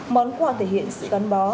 món quà thể hiện sự gắn bó